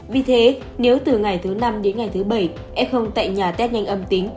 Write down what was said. vì thế nếu từ ngày thứ năm đến ngày thứ bảy f tại nhà test nhanh âm tính